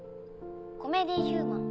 コメディーヒューマン？